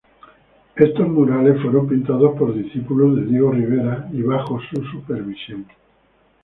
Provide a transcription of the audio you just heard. Estos murales fueron pintados por discípulos de Diego Rivera y bajo su supervisión.